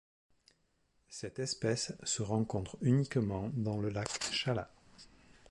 Cette espèce ce rencontre uniquement dans le lac Chala.